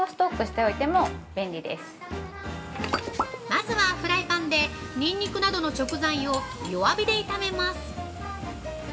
◆まずはフライパンでニンニクなどの食材を弱火で炒めます。